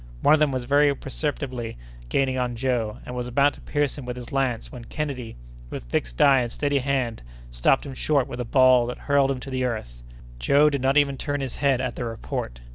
One of them was very perceptibly gaining on Joe, and was about to pierce him with his lance, when Kennedy, with fixed eye and steady hand, stopped him short with a ball, that hurled him to the earth. Joe did not even turn his head at the report.